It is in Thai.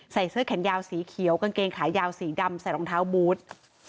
ใส่เสื้อแขนยาวสีเขียวกางเกงขายาวสีดำใส่รองเท้าบูธ